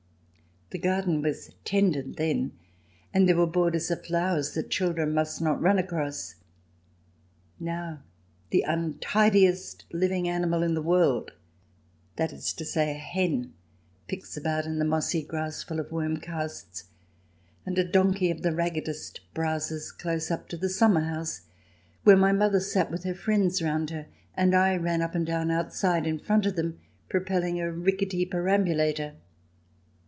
The garden was tended then, and there were borders of flowers that children must not run across. Now, the un tidiest living animal in the world — that is to say a hen — picks about in the mossy grass full of worm casts, and a donkey of the raggedest browses close up to the summer house where my mother sat with her friends round her, and 1 ran up and down outside in front of them, propelling a rickety per ambulator.